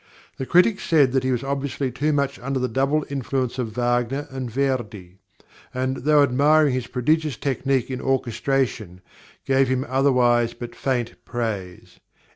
The critics said that he was obviously too much under the double influence of Wagner and Verdi, and, though admiring his prodigious technique in orchestration, gave him otherwise but faint praise.